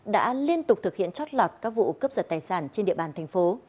đã liên tục thực hiện chót lọt các vụ cướp giật tài sản trên địa bàn thành phố